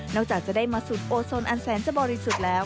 จากจะได้มาสุดโอโซนอันแสนจะบริสุทธิ์แล้ว